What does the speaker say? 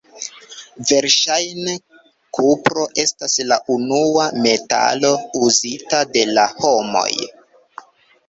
Verŝajne kupro estas la unua metalo uzita de la homoj.